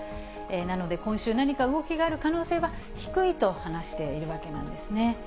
なので、今週何か動きがある可能性は低いと話しているわけなんですね。